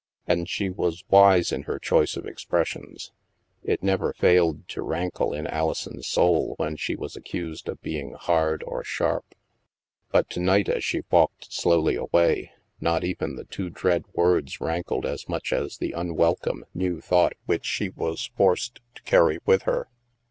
And she was wise in her choice of expressions. It never failed to rankle in Alison's soul when she was accused of be ing " hard " or " sharp." But to night, as she walked slowly away, not even the two dread words rankled as much as the unwel come new thought which she was forced to carry with her.